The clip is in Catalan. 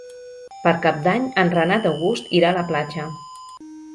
Per Cap d'Any en Renat August irà a la platja.